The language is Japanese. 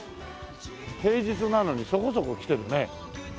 平日なのにそこそこ来てるね。